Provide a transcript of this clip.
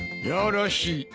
よろしい。